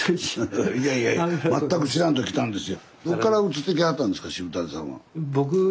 いやいやいや全く知らんと来たんですよ。